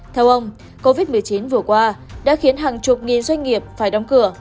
theo ông covid một mươi chín vừa qua đã khiến hàng chục nghìn doanh nghiệp phải đóng cửa